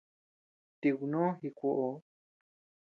Tikunó ji kuoʼo.